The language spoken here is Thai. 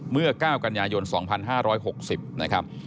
เมื่อ๙กันยายน๒๕๖๐นะครับ